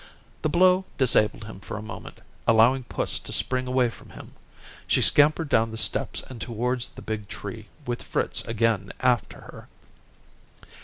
The blow disabled him for a moment, allowing puss to spring away from him. She scampered down the steps and towards the big tree with Fritz again after her.